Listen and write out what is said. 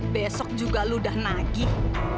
besok juga lu udah nagih